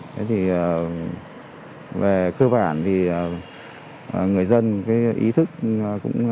thế thì về cơ bản thì người dân cái ý thức cũng